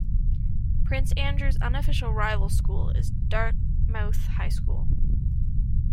Prince Andrew's unofficial rival school is Dartmouth High School.